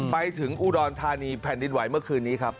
ไปถึงอุดรธานีแผ่นดินไหวเมื่อคืนนี้ครับ